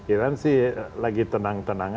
iran sih lagi tenang tenang